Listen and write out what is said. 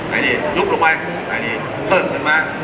อันนี้ยุบลงไปอันนี้เพิ่มขึ้นมา